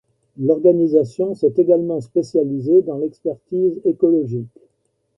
L'organisation s'est également spécialisée dans l'expertise écologique.